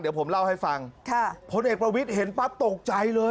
เดี๋ยวผมเล่าให้ฟังค่ะพลเอกประวิทย์เห็นปั๊บตกใจเลย